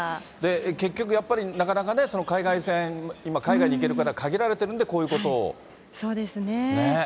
結局、やっぱり、なかなかね、海外線、今、海外に行ける方、限られてるそうですね。